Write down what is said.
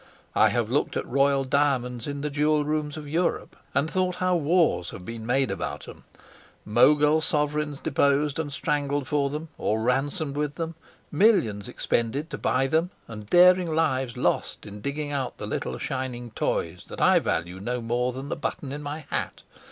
I have looked at royal diamonds in the jewel rooms in Europe, and thought how wars have been made about 'em; Mogul sovereigns deposed and strangled for them, or ransomed with them; millions expended to buy them; and daring lives lost in digging out the little shining toys that I value no more than the button in my hat.